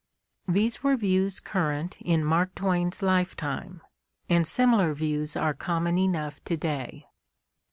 These were views current in Mark Twain's lifetime, and sim ilar views are common enough to day.